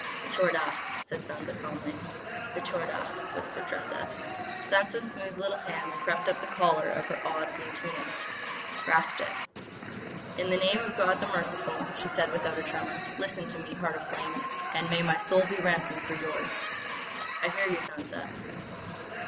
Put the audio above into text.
"The Tchor Dagh," said Sansa calmly. "The Tchor Dagh," whispered Tressa. Sansa's smooth little hands crept up to the collar of her odd, blue tunic; grasped it. "In the name of God the Merciful," she said without a tremor, "listen to me, Heart of Flame, and may my soul be ransom for yours!" "I hear you, Sansa."